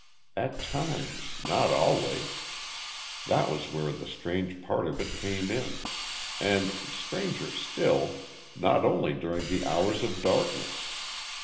At times not always that was where the strange part of it came in; and, stranger still, not only during the hours of darkness.